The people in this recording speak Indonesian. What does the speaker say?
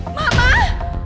ada apa sih ini